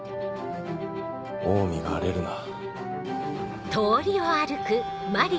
オウミが荒れるな。